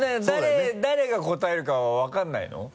誰が答えるかは分からないの？